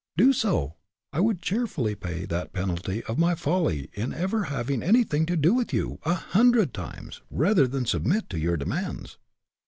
"Do so! I would cheerfully pay that penalty of my folly in ever having anything to do with you, a hundred times, rather than submit to your demands."